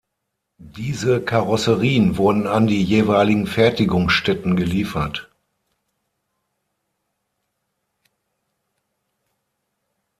Diese Karosserien wurden an die jeweiligen Fertigungsstätten geliefert.